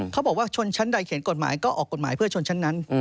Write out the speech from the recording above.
เขาบอกว่าชนชั้นใดเขียนกฎหมายก็ออกกฎหมายเพื่อชนชั้นนั้น